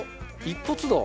一発だ。